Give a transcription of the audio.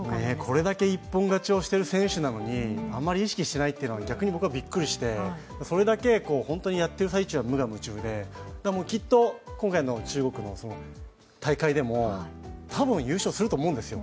これだけ一本勝ちをしている選手なのにあまり意識していないというのは逆に僕はびっくりして本当にそれだけやってる最中は無我夢中できっと、今回の中国の大会でもたぶん優勝すると思うんですよ。